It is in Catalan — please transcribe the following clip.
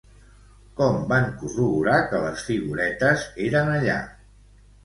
Com van corroborar que les figuretes eren allà?